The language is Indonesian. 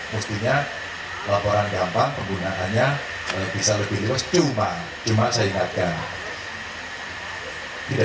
mestinya laporan gampang penggunaannya bisa lebih luas cuma cuma saya ingatkan tidak